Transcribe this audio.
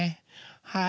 はい。